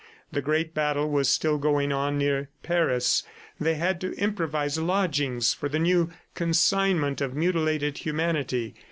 The great battle was still going on near Paris. They had to improvise lodgings for the new consignment of mutilated humanity.